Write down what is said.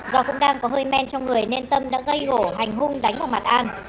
do cũng đang có hơi men trong người nên tâm đã gây hổ hành hung đánh vào mặt an